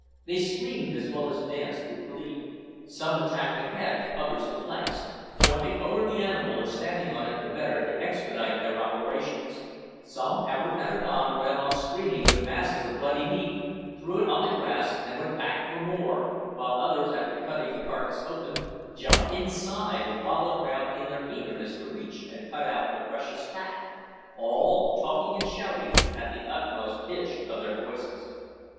They screamed as well as danced with glee. Some attacked the head, others the flanks, jumping over the animal or standing on it the better to expedite their operations; some ever and anon ran off screaming with masses of bloody meat, threw it on the grass and went back for more, while others, after cutting the carcase open, jumped inside and wallowed about in their eagerness to reach and cut out the precious fat all talking and shouting at the utmost pitch of their voices.